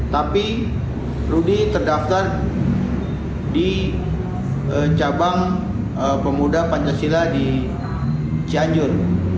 tapi rudy terdaftar di cabang pemuda pancasila di cianjur